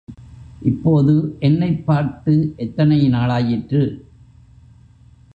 இப்போது என்னைப் பார்த்து எத்தனை நாளாயிற்று?